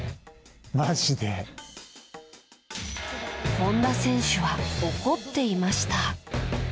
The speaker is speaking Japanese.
本田選手は怒っていました。